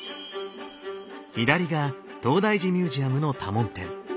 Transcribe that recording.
左が東大寺ミュージアムの多聞天。